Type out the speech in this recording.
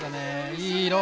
いい色！